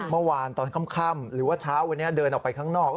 เมื่อวานตอนค่ำหรือว่าเช้าวันนี้เดินออกไปข้างนอก